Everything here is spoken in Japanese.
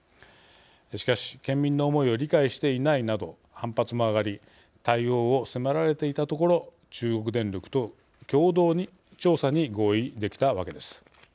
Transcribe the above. しかし、県民の思いを理解していないなど反発も上がり対応を迫られていたところ中国電力と共同調査に合意できたわけです。